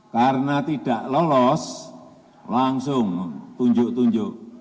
karena tidak lolos langsung tunjuk tunjuk